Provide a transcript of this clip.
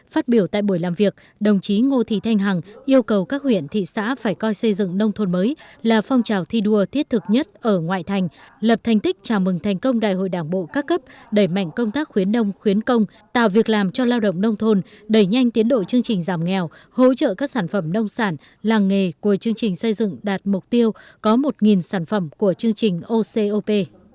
phát biểu tại buổi làm việc đồng chí ngô thị thanh hằng yêu cầu các huyện thị xã phải coi xây dựng nông thôn mới là phong trào thi đua thiết thực nhất ở ngoại thành lập thành tích chào mừng thành công đại hội đảng bộ các cấp đẩy mạnh công tác khuyến đông khuyến công tạo việc làm cho lao động nông thôn đẩy nhanh tiến đội chương trình giảm nghèo hỗ trợ các sản phẩm nông sản làng nghề của chương trình xây dựng đạt mục tiêu có một sản phẩm của chương trình ocop